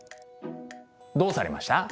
どうされました？